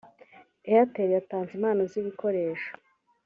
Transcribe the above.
Airtel yatanze impano z’ibikoresho